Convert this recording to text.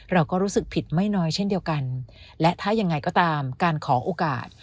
เราก็รู้สึกผิดไม่น้อยเช่นเดียวกันและถ้ายังไงก็ตามการขอโอกาส